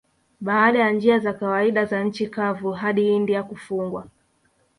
Baada ya njia za kawaida za nchi kavu hadi India kufungwa